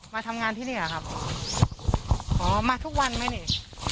มาทำงานที่นี่เหรอครับอ๋อมาทุกวันไหมนี่